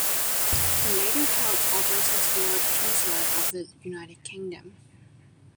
He later held office as Lord Chancellor of the United Kingdom.